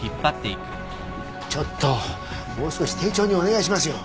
ちょっともう少し丁重にお願いしますよ。